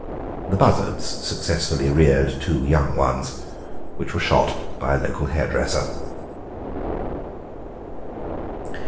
The buzzards successfully reared two young ones, which were shot by a local hairdresser.